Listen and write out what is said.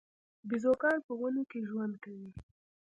بیزوګان په ونو کې ژوند کوي